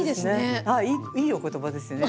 あっいいお言葉ですね。